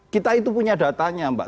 kita itu punya datanya mbak